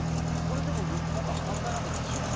これ、でも立派な犯罪なわけですよね。